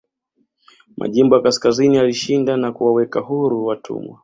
Majimbo ya kaskazini yalishinda na kuwaweka huru watumwa